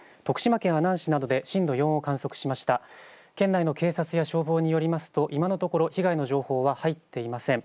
県内の警察や消防によりますと今のところ被害の情報は入っていません。